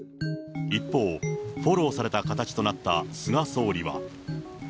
一方、フォローされた形となった菅総理は。